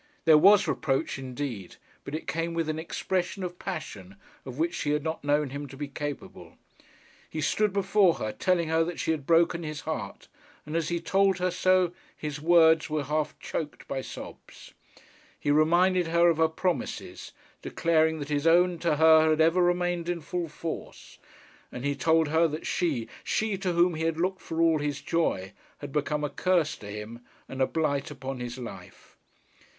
There was reproach indeed, but it came with an expression of passion of which she had not known him to be capable. He stood before her telling her that she had broken his heart, and, as he told her so, his words were half choked by sobs. He reminded her of her promises, declaring that his own to her had ever remained in full force. And he told her that she, she to whom he had looked for all his joy, had become a curse to him and a blight upon his life.